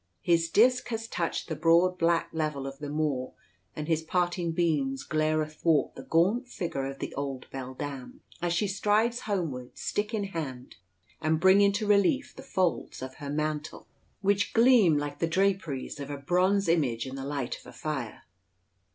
His disk has touched the broad black level of the moor, and his parting beams glare athwart the gaunt figure of the old beldame, as she strides homeward stick in hand, and bring into relief the folds of her mantle, which gleam like the draperies of a bronze image in the light of a fire.